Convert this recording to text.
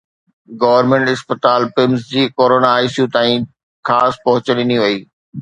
Government اسپتال PIMS جي corona ICU تائين خاص پهچ ڏني وئي.